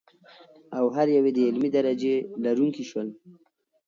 او هر یو یې د علمي درجې لرونکي شول.